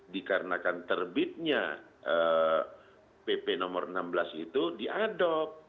dikarenakan terbitnya pp enam belas itu diadopsi